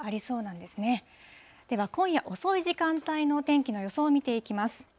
では今夜遅い時間帯の天気の予想を見ていきます。